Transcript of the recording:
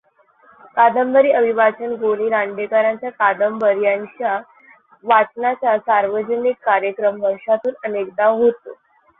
कादंबरी अभिवाचन गो. नी. दांडेकरांच्या कादंबर् यांच्या वाचनाचा सार्वजनिक कार्यक्रम वर्षातून अनेकदा होतो.